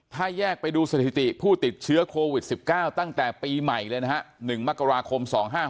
ถ้าแยกไปดูสถิติผู้ติดเชื้อโควิด๑๙ตั้งแต่ปีใหม่เลยนะฮะ๑มกราคม๒๕๖